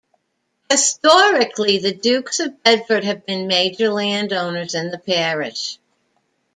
Historically, the Dukes of Bedford have been major land owners in the parish.